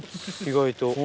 意外と。